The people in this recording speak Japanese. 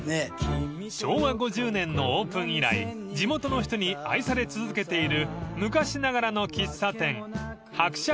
［昭和５０年のオープン以来地元の人に愛され続けている昔ながらの喫茶店］